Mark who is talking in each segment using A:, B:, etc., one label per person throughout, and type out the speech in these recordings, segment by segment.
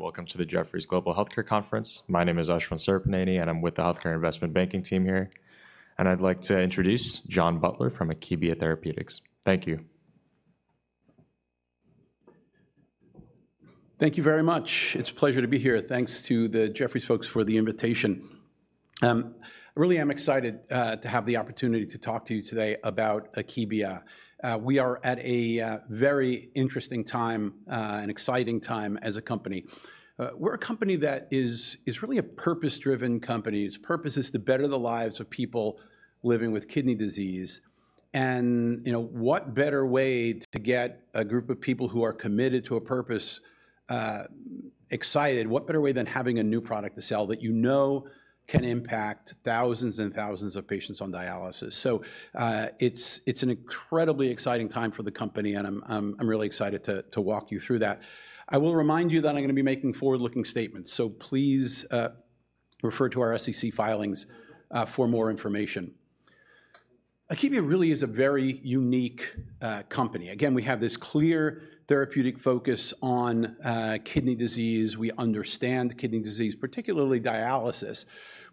A: Welcome to the Jefferies Global Healthcare Conference. My name is Ashwin Surapaneni, and I'm with the Healthcare Investment Banking team here. I'd like to introduce John Butler from Akebia Therapeutics. Thank you.
B: Thank you very much. It's a pleasure to be here. Thanks to the Jefferies folks for the invitation. I really am excited to have the opportunity to talk to you today about Akebia. We are at a very interesting time, an exciting time as a company. We're a company that is, is really a purpose-driven company. Its purpose is to better the lives of people living with kidney disease. And, you know, what better way to get a group of people who are committed to a purpose, excited? What better way than having a new product to sell that you know can impact thousands and thousands of patients on dialysis? It's, it's an incredibly exciting time for the company, and I'm, I'm, I'm really excited to, to walk you through that. I will remind you that I'm gonna be making forward-looking statements, so please, refer to our SEC filings, for more information. Akebia really is a very unique company. Again, we have this clear therapeutic focus on, kidney disease. We understand kidney disease, particularly dialysis.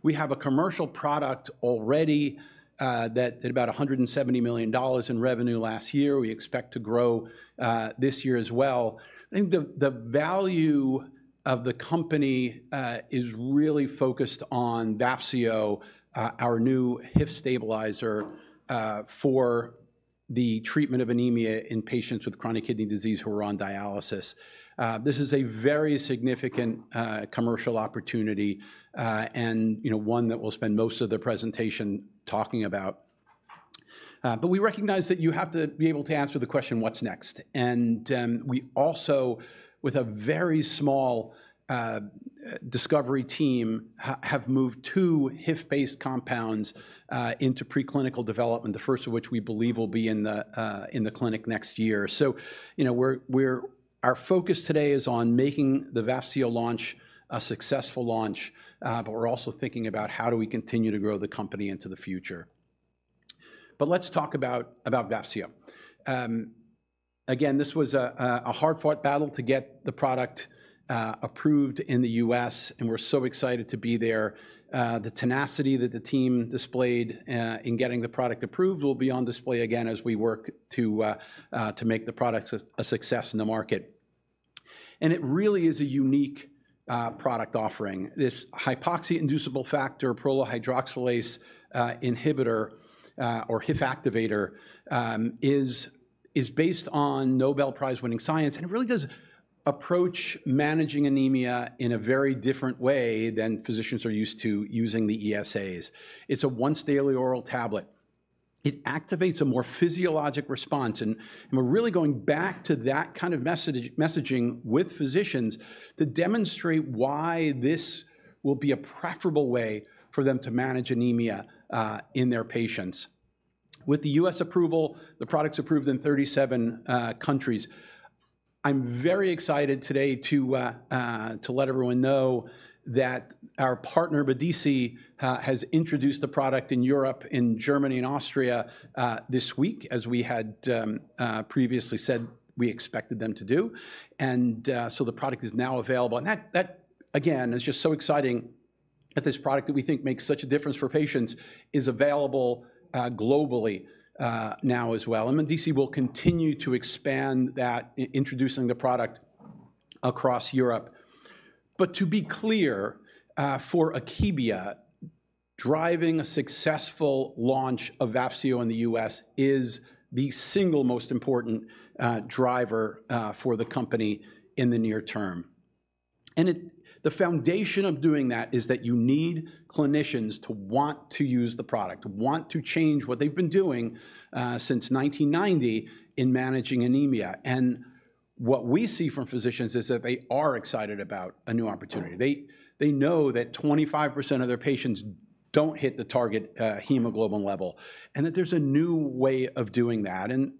B: We have a commercial product already, that did about $170 million in revenue last year. We expect to grow, this year as well. I think the value of the company, is really focused on Vafseo, our new HIF stabilizer, for the treatment of anemia in patients with chronic kidney disease who are on dialysis. This is a very significant, commercial opportunity, and, you know, one that we'll spend most of the presentation talking about. But we recognize that you have to be able to answer the question, "What's next?" And we also, with a very small discovery team, have moved two HIF-based compounds into preclinical development, the first of which we believe will be in the clinic next year. So, you know, we're our focus today is on making the Vafseo launch a successful launch, but we're also thinking about how do we continue to grow the company into the future. But let's talk about Vafseo. Again, this was a hard-fought battle to get the product approved in the US, and we're so excited to be there. The tenacity that the team displayed in getting the product approved will be on display again as we work to make the product a success in the market. And it really is a unique product offering. This hypoxia-inducible factor prolyl hydroxylase inhibitor or HIF activator is based on Nobel Prize-winning science, and it really does approach managing anemia in a very different way than physicians are used to using the ESAs. It's a once-daily oral tablet. It activates a more physiologic response, and we're really going back to that kind of messaging with physicians to demonstrate why this will be a preferable way for them to manage anemia in their patients. With the US approval, the product's approved in 37 countries. I'm very excited today to let everyone know that our partner, Medice, has introduced the product in Europe, in Germany and Austria, this week, as we had previously said we expected them to do. And so the product is now available. And that again is just so exciting that this product that we think makes such a difference for patients is available globally now as well. And Medice will continue to expand that introducing the product across Europe. But to be clear, for Akebia, driving a successful launch of Vafseo in the US is the single most important driver for the company in the near term. And the foundation of doing that is that you need clinicians to want to use the product, want to change what they've been doing since 1990 in managing anemia. And what we see from physicians is that they are excited about a new opportunity. They know that 25% of their patients don't hit the target hemoglobin level, and that there's a new way of doing that. And,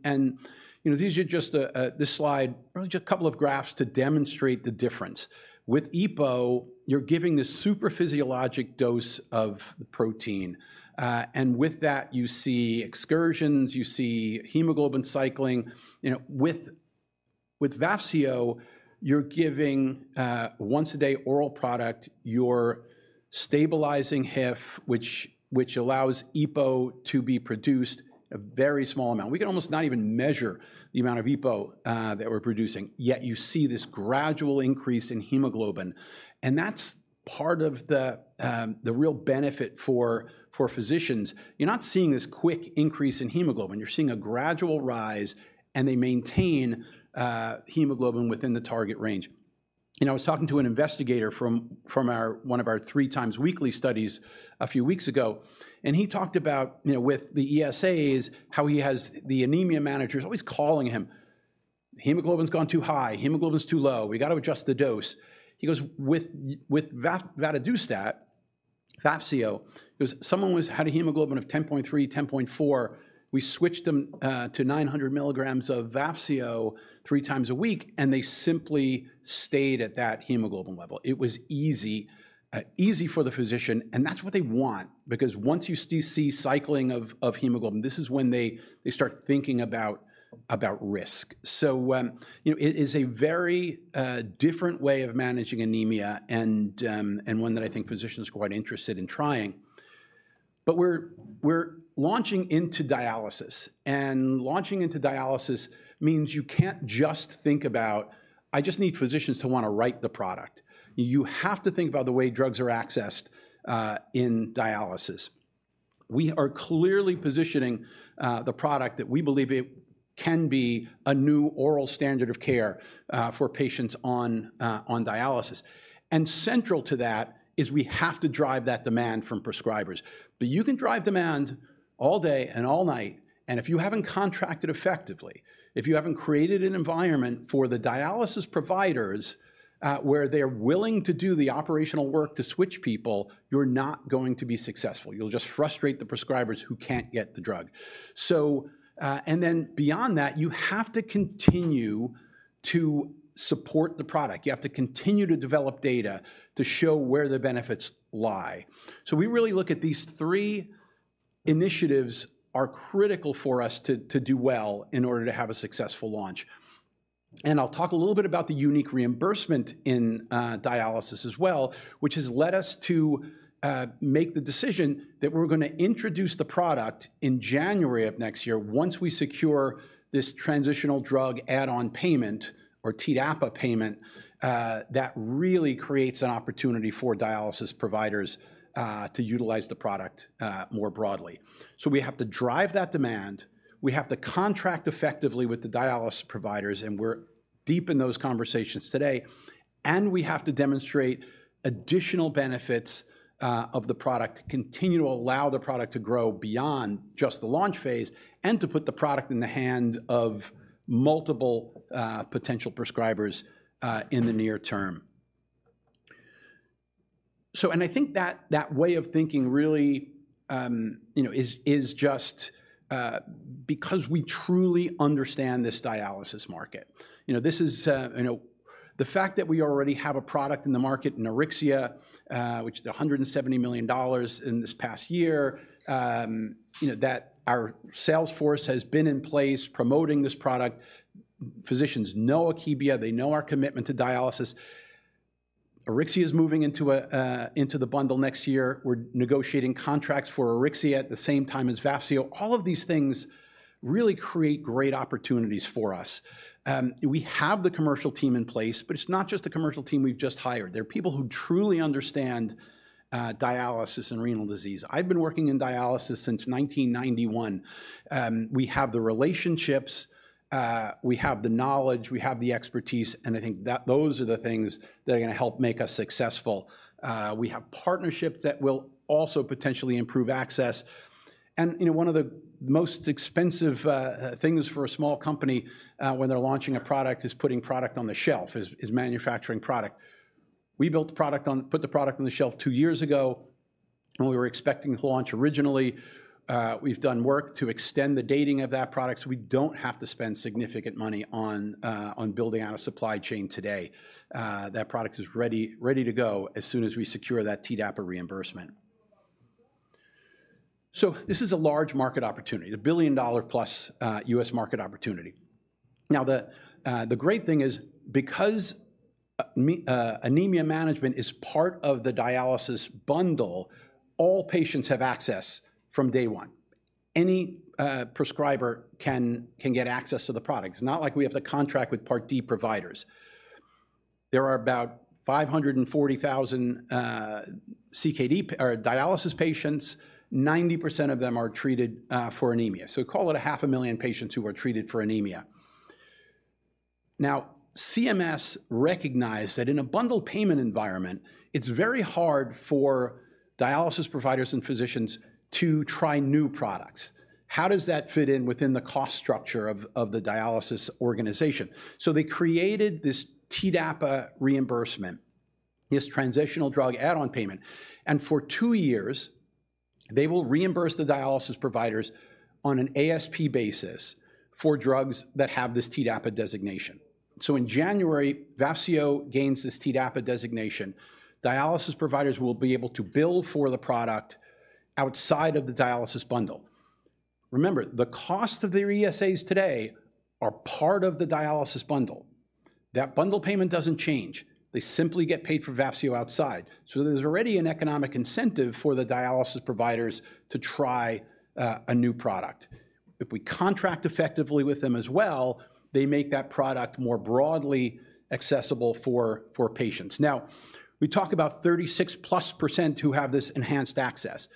B: you know, these are just this slide, really just a couple of graphs to demonstrate the difference. With EPO, you're giving this super physiologic dose of the protein, and with that, you see excursions, you see hemoglobin cycling. You know, with Vafseo, you're giving a once-a-day oral product. You're stabilizing HIF, which allows EPO to be produced, a very small amount. We can almost not even measure the amount of EPO that we're producing, yet you see this gradual increase in hemoglobin, and that's part of the real benefit for physicians. You're not seeing this quick increase in hemoglobin. You're seeing a gradual rise, and they maintain hemoglobin within the target range. You know, I was talking to an investigator from one of our three-times-weekly studies a few weeks ago, and he talked about, you know, with the ESAs, how he has the anemia managers always calling him. "Hemoglobin's gone too high. Hemoglobin's too low. We got to adjust the dose." He goes, "With vadadustat, Vafseo," he goes, "someone had a hemoglobin of 10.3, 10.4. We switched them to 900 milligrams of Vafseo 3 times a week, and they simply stayed at that hemoglobin level." It was easy, easy for the physician, and that's what they want because once you see cycling of hemoglobin, this is when they start thinking about risk. So, you know, it is a very different way of managing anemia and one that I think physicians are quite interested in trying... But we're launching into dialysis, and launching into dialysis means you can't just think about, I just need physicians to wanna write the product. You have to think about the way drugs are accessed in dialysis. We are clearly positioning the product that we believe it can be a new oral standard of care for patients on dialysis. Central to that is we have to drive that demand from prescribers. But you can drive demand all day and all night, and if you haven't contracted effectively, if you haven't created an environment for the dialysis providers, where they're willing to do the operational work to switch people, you're not going to be successful. You'll just frustrate the prescribers who can't get the drug. So, and then beyond that, you have to continue to support the product. You have to continue to develop data to show where the benefits lie. So we really look at these three initiatives are critical for us to do well in order to have a successful launch. I'll talk a little bit about the unique reimbursement in dialysis as well, which has led us to make the decision that we're gonna introduce the product in January of next year once we secure this transitional drug add-on payment or TDAPA payment that really creates an opportunity for dialysis providers to utilize the product more broadly. So we have to drive that demand, we have to contract effectively with the dialysis providers, and we're deep in those conversations today, and we have to demonstrate additional benefits of the product, continue to allow the product to grow beyond just the launch phase, and to put the product in the hand of multiple potential prescribers in the near term. I think that way of thinking really, you know, is just because we truly understand this dialysis market. You know, this is the fact that we already have a product in the market, Auryxia, which is $170 million in this past year, that our sales force has been in place promoting this product. Physicians know Akebia, they know our commitment to dialysis. Auryxia is moving into the bundle next year. We're negotiating contracts for Auryxia at the same time as Vafseo. All of these things really create great opportunities for us. We have the commercial team in place, but it's not just the commercial team we've just hired. They're people who truly understand dialysis and renal disease. I've been working in dialysis since 1991. We have the relationships, we have the knowledge, we have the expertise, and I think that those are the things that are gonna help make us successful. We have partnerships that will also potentially improve access. You know, one of the most expensive things for a small company when they're launching a product is putting product on the shelf, is manufacturing product. We put the product on the shelf two years ago, when we were expecting to launch originally. We've done work to extend the dating of that product, so we don't have to spend significant money on building out a supply chain today. That product is ready to go as soon as we secure that TDAPA reimbursement. So this is a large market opportunity, a billion-dollar-plus US market opportunity. Now, the great thing is, because anemia management is part of the dialysis bundle, all patients have access from day one. Any prescriber can get access to the product. It's not like we have to contract with Part D providers. There are about 540,000 CKD or dialysis patients. 90% of them are treated for anemia. So call it 500,000 patients who are treated for anemia. Now, CMS recognized that in a bundled payment environment, it's very hard for dialysis providers and physicians to try new products. How does that fit in within the cost structure of the dialysis organization? So they created this TDAPA reimbursement, this transitional drug add-on payment, and for two years, they will reimburse the dialysis providers on an ASP basis for drugs that have this TDAPA designation. So in January, Vafseo gains this TDAPA designation. Dialysis providers will be able to bill for the product outside of the dialysis bundle. Remember, the cost of their ESAs today are part of the dialysis bundle. That bundle payment doesn't change. They simply get paid for Vafseo outside. So there's already an economic incentive for the dialysis providers to try a new product. If we contract effectively with them as well, they make that product more broadly accessible for patients. Now, we talk about 36%+ who have this enhanced access.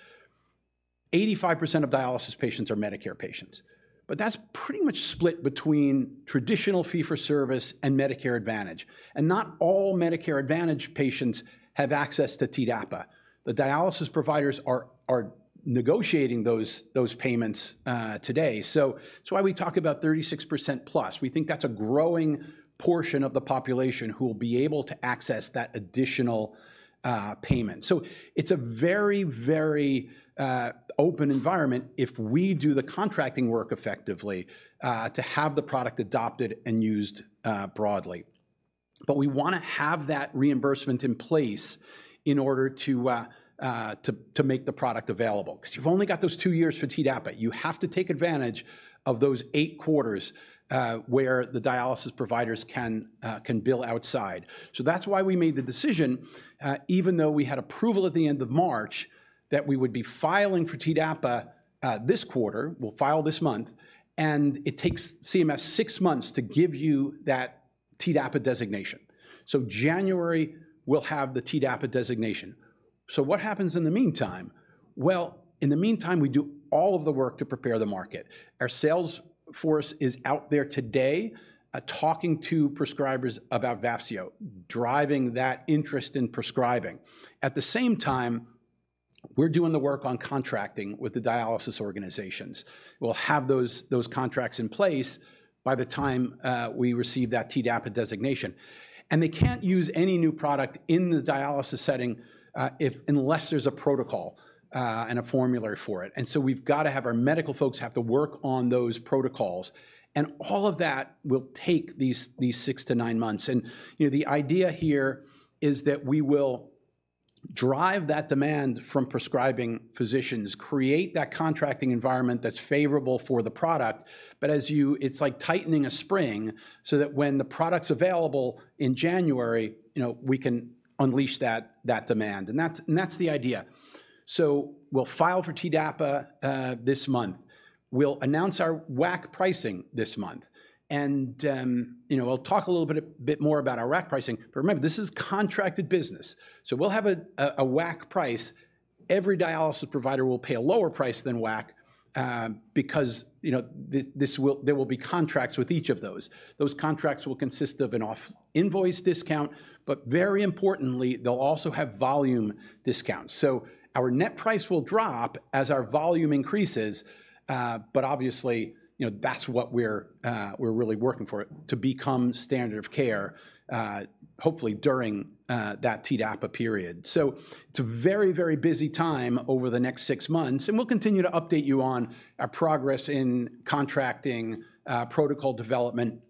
B: 85% of dialysis patients are Medicare patients, but that's pretty much split between traditional fee-for-service and Medicare Advantage, and not all Medicare Advantage patients have access to TDAPA. The dialysis providers are negotiating those payments today. So that's why we talk about 36%+. We think that's a growing portion of the population who will be able to access that additional payment. So it's a very, very open environment if we do the contracting work effectively to have the product adopted and used broadly. But we wanna have that reimbursement in place in order to make the product available, because you've only got those two years for TDAPA. You have to take advantage of those eight quarters where the dialysis providers can bill outside. So that's why we made the decision, even though we had approval at the end of March, that we would be filing for TDAPA this quarter, we'll file this month, and it takes CMS six months to give you that TDAPA designation. So January, we'll have the TDAPA designation. So what happens in the meantime? Well, in the meantime, we do all of the work to prepare the market. Our sales force is out there today, talking to prescribers about Vafseo, driving that interest in prescribing. At the same time, we're doing the work on contracting with the dialysis organizations. We'll have those contracts in place by the time we receive that TDAPA designation. And they can't use any new product in the dialysis setting unless there's a protocol and a formulary for it. And so we've got to have our medical folks have to work on those protocols, and all of that will take these 6-9 months. And, you know, the idea here is that we will drive that demand from prescribing physicians, create that contracting environment that's favorable for the product. But as you know, it's like tightening a spring, so that when the product's available in January, you know, we can unleash that demand, and that's the idea. So we'll file for TDAPA this month. We'll announce our WAC pricing this month. And you know, I'll talk a little bit more about our WAC pricing, but remember, this is contracted business. So we'll have a WAC price. Every dialysis provider will pay a lower price than WAC, because you know, there will be contracts with each of those. Those contracts will consist of an off invoice discount, but very importantly, they'll also have volume discounts. So our net price will drop as our volume increases, but obviously, you know, that's what we're really working for, to become standard of care, hopefully during that TDAPA period. So it's a very, very busy time over the next 6 months, and we'll continue to update you on our progress in contracting, protocol development.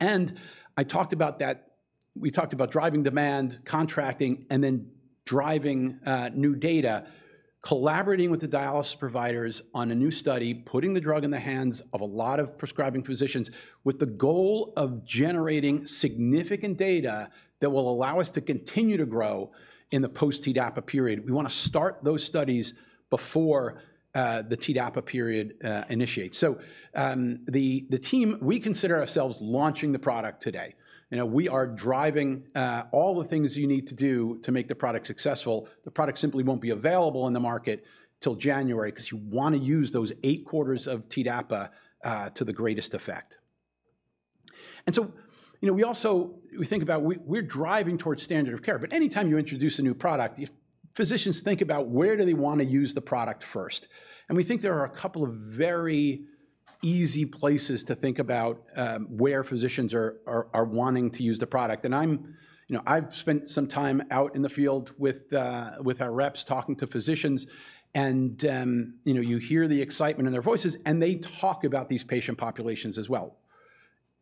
B: And I talked about that—we talked about driving demand, contracting, and then driving new data, collaborating with the dialysis providers on a new study, putting the drug in the hands of a lot of prescribing physicians, with the goal of generating significant data that will allow us to continue to grow in the post-TDAPA period. We wanna start those studies before the TDAPA period initiates. So, the team, we consider ourselves launching the product today. You know, we are driving all the things you need to do to make the product successful. The product simply won't be available in the market till January, 'cause you wanna use those 8 quarters of TDAPA to the greatest effect. And so, you know, we also think about we're driving towards standard of care, but anytime you introduce a new product, if physicians think about where do they wanna use the product first. And we think there are a couple of very easy places to think about where physicians are wanting to use the product. You know, I've spent some time out in the field with our reps, talking to physicians, and you know, you hear the excitement in their voices, and they talk about these patient populations as well.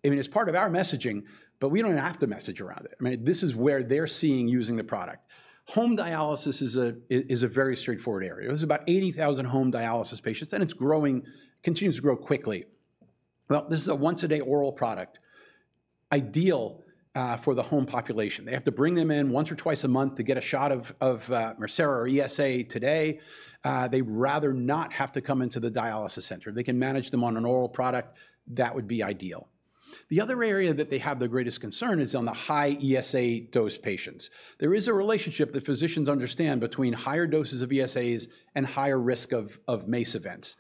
B: I mean, it's part of our messaging, but we don't have to message around it. I mean, this is where they're seeing using the product. Home dialysis is a very straightforward area. There's about 80,000 home dialysis patients, and it's growing, continues to grow quickly. Well, this is a once-a-day oral product, ideal for the home population. They have to bring them in once or twice a month to get a shot of Mircera or ESA today. They'd rather not have to come into the dialysis center. They can manage them on an oral product. That would be ideal. The other area that they have the greatest concern is on the high ESA dose patients. There is a relationship that physicians understand between higher doses of ESAs and higher risk of MACE events.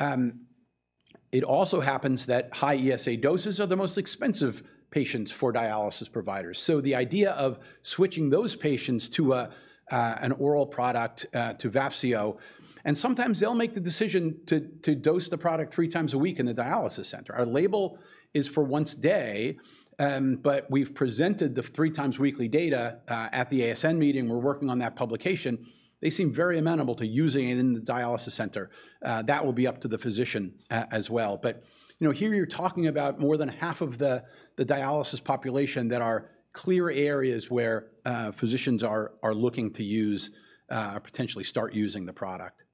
B: It also happens that high ESA doses are the most expensive patients for dialysis providers. So the idea of switching those patients to an oral product to Vafseo, and sometimes they'll make the decision to dose the product three times a week in the dialysis center. Our label is for once day, but we've presented the three times weekly data at the ASN meeting. We're working on that publication. They seem very amenable to using it in the dialysis center. That will be up to the physician as well. But, you know, here you're talking about more than half of the dialysis population that are clear areas where physicians are looking to use or potentially start using the product.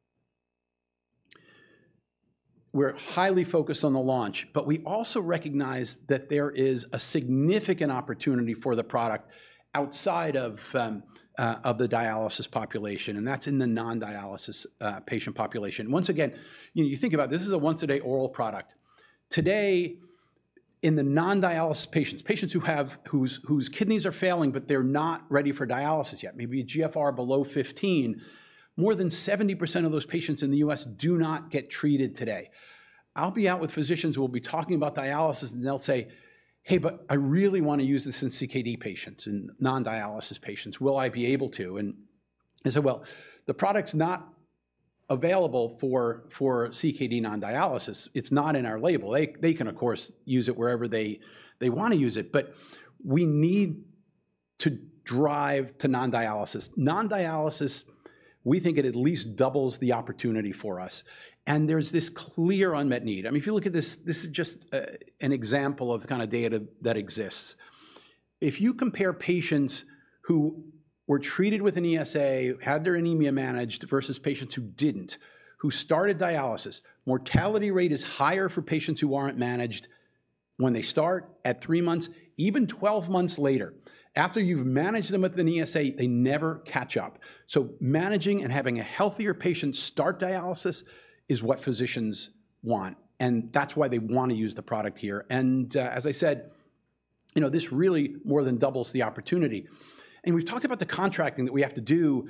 B: We're highly focused on the launch, but we also recognize that there is a significant opportunity for the product outside of the dialysis population, and that's in the non-dialysis patient population. Once again, you know, you think about this is a once-a-day oral product. Today, in the non-dialysis patients, patients whose kidneys are failing, but they're not ready for dialysis yet, maybe a GFR below 15, more than 70% of those patients in the US do not get treated today. I'll be out with physicians who will be talking about dialysis, and they'll say, "Hey, but I really want to use this in CKD patients, in non-dialysis patients. Will I be able to?" And I say, "Well, the product's not available for CKD non-dialysis. It's not in our label." They can, of course, use it wherever they wanna use it, but we need to drive to non-dialysis. Non-dialysis, we think it at least doubles the opportunity for us, and there's this clear unmet need. I mean, if you look at this, this is just an example of the kind of data that exists. If you compare patients who were treated with an ESA, had their anemia managed, versus patients who didn't, who started dialysis, mortality rate is higher for patients who aren't managed, when they start at three months, even 12 months later, after you've managed them with an ESA, they never catch up. So managing and having a healthier patient start dialysis is what physicians want, and that's why they wanna use the product here. And, as I said, you know, this really more than doubles the opportunity. We've talked about the contracting that we have to do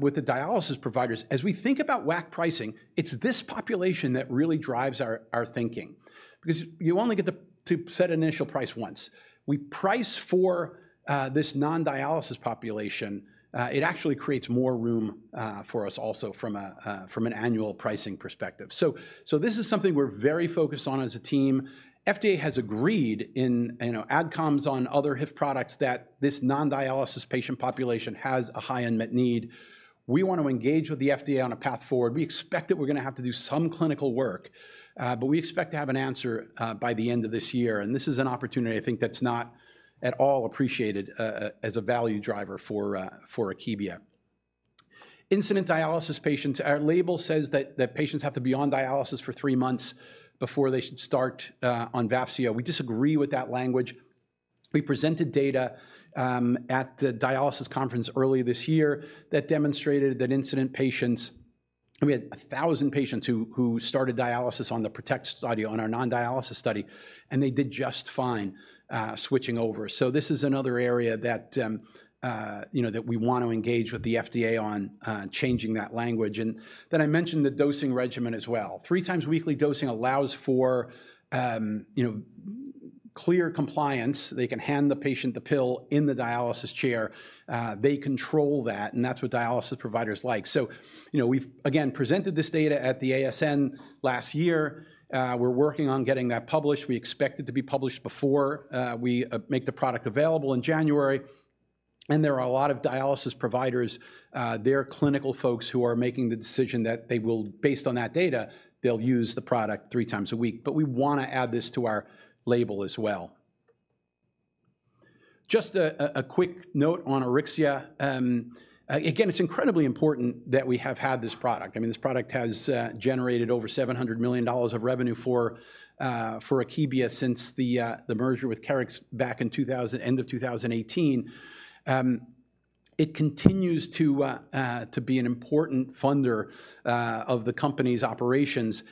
B: with the dialysis providers. As we think about WAC pricing, it's this population that really drives our thinking, because you only get to set initial price once. We price for this non-dialysis population. It actually creates more room for us also from an annual pricing perspective. So this is something we're very focused on as a team. FDA has agreed in, you know, ad comms on other HIF products that this non-dialysis patient population has a high unmet need. We want to engage with the FDA on a path forward. We expect that we're gonna have to do some clinical work, but we expect to have an answer by the end of this year, and this is an opportunity I think that's not at all appreciated as a value driver for for Akebia. Incident dialysis patients. Our label says that that patients have to be on dialysis for three months before they should start on Vafseo. We disagree with that language. We presented data at the dialysis conference earlier this year that demonstrated that incident patients. We had 1,000 patients who who started dialysis on the PRO2TECT study, on our non-dialysis study, and they did just fine switching over. So this is another area that you know that we want to engage with the FDA on changing that language. And then I mentioned the dosing regimen as well. Three times weekly dosing allows for, you know, clear compliance. They can hand the patient the pill in the dialysis chair. They control that, and that's what dialysis providers like. So, you know, we've again presented this data at the ASN last year. We're working on getting that published. We expect it to be published before we make the product available in January. And there are a lot of dialysis providers, their clinical folks who are making the decision that they will, based on that data, they'll use the product three times a week. But we wanna add this to our label as well. Just a quick note on Auryxia. Again, it's incredibly important that we have had this product. I mean, this product has generated over $700 million of revenue for Akebia since the merger with Keryx back in -- end of 2018. It continues to be an important funder of the company's operations,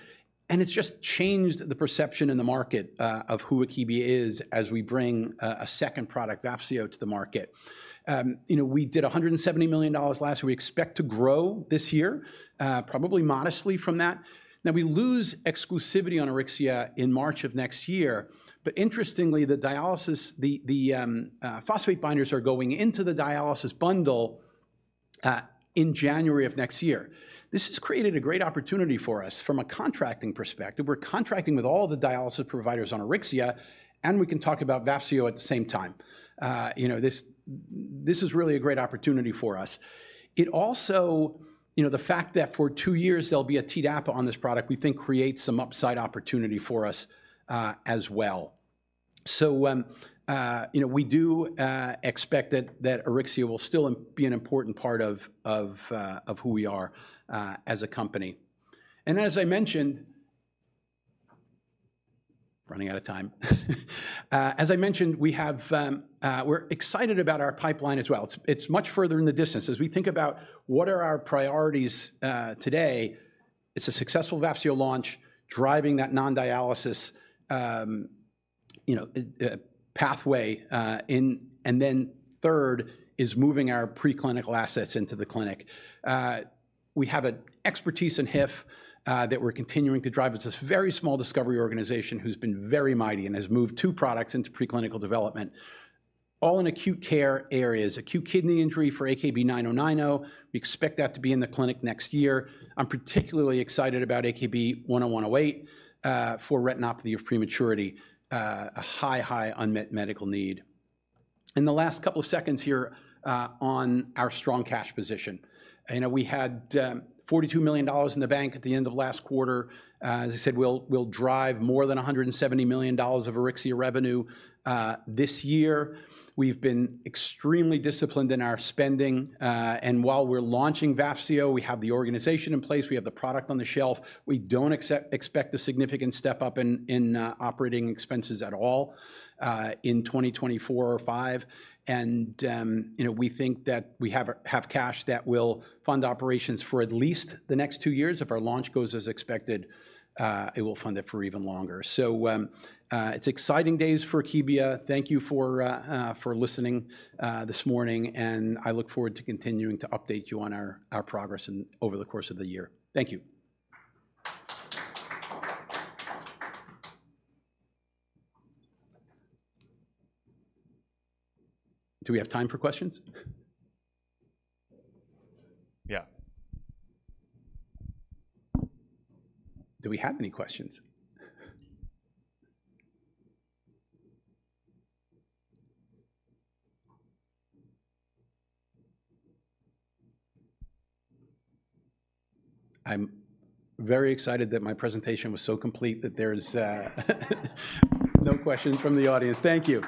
B: and it's just changed the perception in the market of who Akebia is as we bring a second product, Vafseo, to the market. You know, we did $170 million last year. We expect to grow this year, probably modestly from that. Now, we lose exclusivity on Auryxia in March of next year. But interestingly, the dialysis phosphate binders are going into the dialysis bundle in January of next year. This has created a great opportunity for us from a contracting perspective. We're contracting with all the dialysis providers on Auryxia, and we can talk about Vafseo at the same time. You know, this is really a great opportunity for us. It also. You know, the fact that for two years there'll be a TDAPA on this product, we think creates some upside opportunity for us, as well. So, you know, we do expect that Auryxia will still be an important part of who we are, as a company. And as I mentioned... Running out of time. As I mentioned, we're excited about our pipeline as well. It's much further in the distance. As we think about what are our priorities today, it's a successful Vafseo launch, driving that non-dialysis, you know, pathway in. And then third is moving our preclinical assets into the clinic. We have an expertise in HIF that we're continuing to drive. It's a very small discovery organization who's been very mighty and has moved two products into preclinical development, all in acute care areas. Acute kidney injury for AKB-9090. We expect that to be in the clinic next year. I'm particularly excited about AKB-10108 for retinopathy of prematurity, a high, high unmet medical need. In the last couple of seconds here, on our strong cash position. You know, we had $42 million in the bank at the end of last quarter. As I said, we'll drive more than $170 million of Auryxia revenue this year. We've been extremely disciplined in our spending. And while we're launching Vafseo, we have the organization in place, we have the product on the shelf. We don't expect a significant step up in operating expenses at all in 2024 or 2025. And, you know, we think that we have cash that will fund operations for at least the next two years. If our launch goes as expected, it will fund it for even longer. So, it's exciting days for Akebia. Thank you for listening this morning, and I look forward to continuing to update you on our progress over the course of the year. Thank you. Do we have time for questions?
A: Yeah.
B: Do we have any questions? I'm very excited that my presentation was so complete that there's no questions from the audience. Thank you.